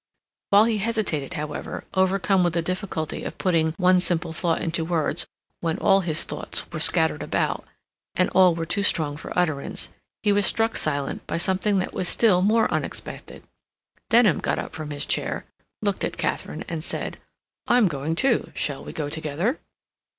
While he hesitated, however, overcome with the difficulty of putting one simple thought into words when all his thoughts were scattered about, and all were too strong for utterance, he was struck silent by something that was still more unexpected. Denham got up from his chair, looked at Katharine, and said: "I'm going, too. Shall we go together?"